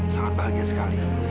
sangat bahagia sekali